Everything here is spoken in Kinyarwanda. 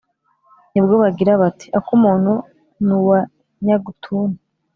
ni bwo bagira, bati: «akumuntu ni uwa nyagatuntu!